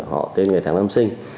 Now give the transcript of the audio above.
họ tên ngày tháng năm sinh